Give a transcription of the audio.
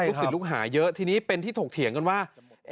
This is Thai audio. ศิลปลูกหาเยอะทีนี้เป็นที่ถกเถียงกันว่า